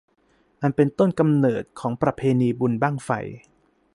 อันเป็นต้นกำเนิดของประเพณีบุญบั้งไฟ